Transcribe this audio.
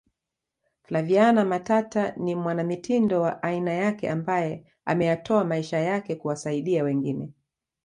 Flaviana Matata ni mwanamitindo wa aina yake ambae ameyatoa maisha yake kuwasaidia wengine